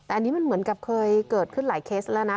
แต่อันนี้มันเหมือนกับเคยเกิดขึ้นหลายเคสแล้วนะ